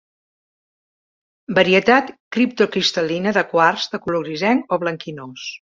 Varietat criptocristal·lina de quars, de color grisenc o blanquinós.